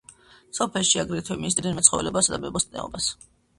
სოფელში აგრეთვე მისდევდნენ მეცხოველეობასა და მებოსტნეობას.